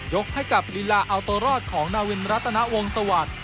ยกให้กับลิลาอัลโตรอสของนาวินรัตนาวงสวรรค์